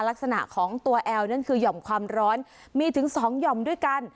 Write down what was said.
ลักษณะของตัวแอลนั่นคือหย่อมความร้อนมีถึงสองหย่อมด้วยกัน